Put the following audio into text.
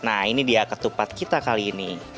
nah ini dia ketupat kita kali ini